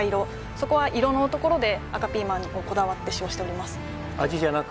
そこは色のところで赤ピーマンをこだわって使用しております